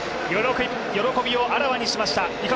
喜びをあらわにしました。